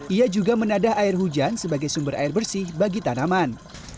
ia juga menadah air hujan sebagai sumber air bersih bagi tanaman